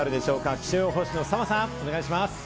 気象予報士の澤さん、お願いします。